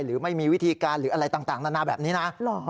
หรือไม่มีวิธีการหรืออะไรต่างนานาแบบนี้นะ